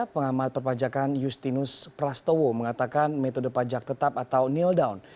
pengamat perpajakan justinus prastowo mengatakan metode pajak tetap atau nildown